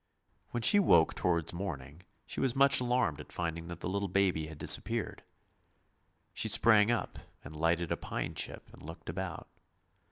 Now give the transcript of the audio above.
When she woke towards morning she was much alarmed at finding that the little baby had disappeared. She sprang up and lighted a pine chip and looked about.